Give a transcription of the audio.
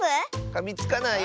かみつかないよ。